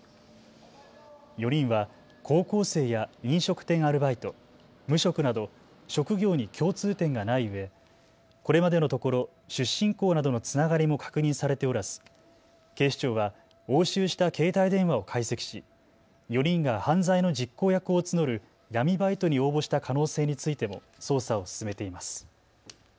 ４人は高校生や飲食店アルバイト、無職など職業に共通点がないうえこれまでのところ、出身校などのつながりも確認されておらず警視庁は押収した携帯電話を解析し４人が犯罪の実行役を募る闇バイトに応募した可能性についても捜査を進めています。